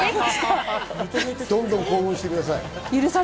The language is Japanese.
どんどん興奮してください。